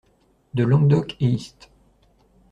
de Languedoc et Hist.